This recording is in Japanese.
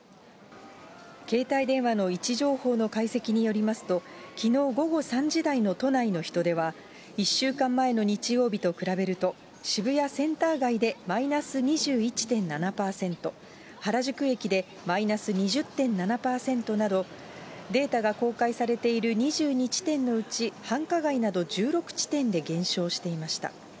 携帯電話の位置情報の解析によりますと、きのう午後３時台の都内の人出は、１週間前の日曜日と比べると、渋谷センター街でマイナス２１．７％、原宿駅でマイナス２０．７％など、データが公開されている２２地点のうち、繁華街など１６地点で減少していました。